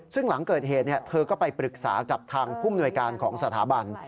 ซึ่งหลังเกิดเหตุเธอก็ไปปรึกษากับทางผู้มนวยการของสถาบัน